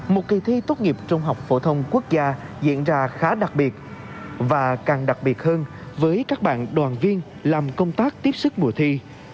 một kỳ thi tốt nghiệp trung học phổ thông quốc gia diễn ra khá đặc biệt và càng đặc biệt hơn với các bạn đoàn viên làm công tác tiếp sức mùa thi